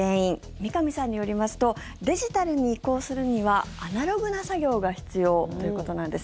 三上さんによりますとデジタルに移行するにはアナログな作業が必要ということなんです。